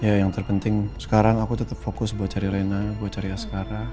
ya yang terpenting sekarang aku tetap fokus buat cari rena buat cari askara